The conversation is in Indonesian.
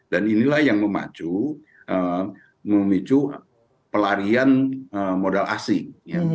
dan inilah yang memicu pelarian modal asing